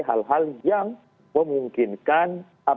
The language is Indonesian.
hal hal yang memungkinkan